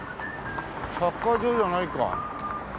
サッカー場じゃないか。